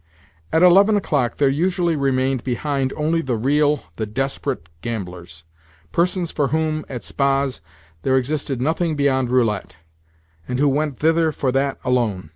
At eleven o'clock there usually remained behind only the real, the desperate gamblers—persons for whom, at spas, there existed nothing beyond roulette, and who went thither for that alone.